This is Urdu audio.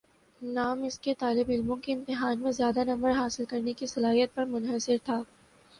نعام اس کی طالبعلموں کی امتحان میں زیادہ نمبر حاصل کرنے کی صلاحیت پر منحصر تھا